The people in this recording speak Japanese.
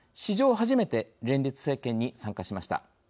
初めて連立政権に参加しました。